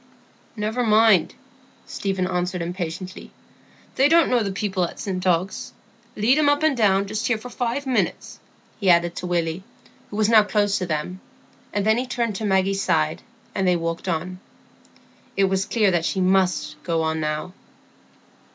"Never mind," Stephen answered impatiently; "they don't know the people at St Ogg's. Lead him up and down just here for five minutes," he added to Willy, who was now close to them; and then he turned to Maggie's side, and they walked on. It was clear that she must go on now.